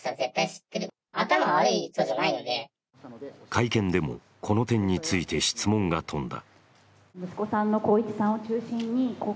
会見でもこの点について質問が飛んだ。